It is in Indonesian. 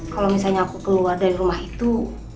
kalau misalnya aku keluar dari rumah itu